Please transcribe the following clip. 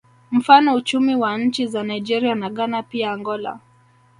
Mfano uchumi wa nchi za Nigeria na Ghana pia Angola